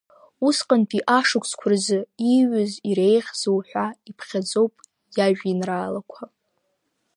Усҟантәи ашықәсқәа рзы ииҩыз иреиӷьӡоу ҳәа иԥхьаӡоуп иажәеинраалақәа…